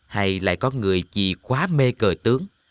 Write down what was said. hay lại có người chỉ quá mê cờ tướng